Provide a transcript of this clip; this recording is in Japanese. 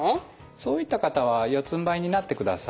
そういった方は四つんばいになってください。